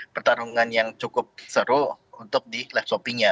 pertarungan yang cukup seru untuk di live shoppingnya